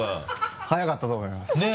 速かったと思います。ねぇ！